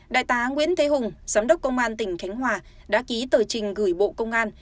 đại tá nguyễn thế hùng giám đốc công an tỉnh khánh hòa đã ký tờ trình gửi bộ công an